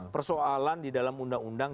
persoalan di dalam undang undang